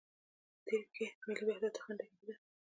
په تېر کې ملي وحدت ته خنده کېده.